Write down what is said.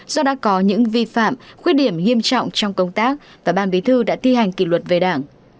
do đã có những vi phạm khuyết điểm nghiêm trọng trong công tác và ban bí thư đã thi hành kỷ luật về đảng